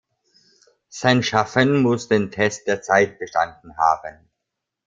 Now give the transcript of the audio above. Sein Schaffen muss "den Test der Zeit" bestanden haben.